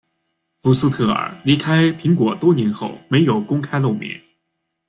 福斯特尔离开苹果多年后没有公开露面。